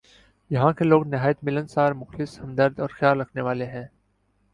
یہاں کے لوگ نہایت ملنسار ، مخلص ، ہمدرد اورخیال رکھنے والے ہیں ۔